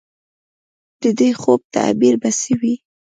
د دې خوب تعبیر به څه وي ؟